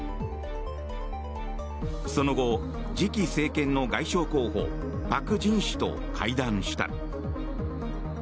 その後、次期政権の外相候補パク・ジン氏と会談した。